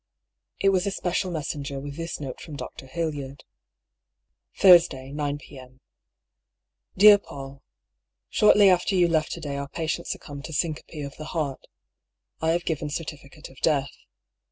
It was a special messenger with this note from Dr. Hildyard: — A MORAL DUEL. 67 " Thursday, 9 p.m. " Dear Paull, — Shortly after you left to day our patient suc cumbed to syncope of the heart. 1 have given certificate of death.